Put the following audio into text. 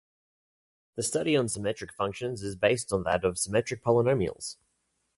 The study of symmetric functions is based on that of symmetric polynomials.